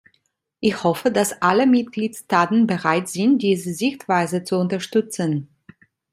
Ich hoffe, dass alle Mitgliedstaaten bereit sind, diese Sichtweise zu unterstützen.